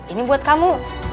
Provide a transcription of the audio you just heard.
ini buat kamu